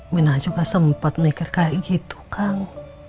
mina juga sempat mikir kayak gitu kang